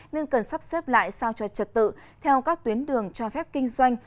nên cần sắp xếp lại sao cho trật tự theo các tuyến đường cho phép kinh doanh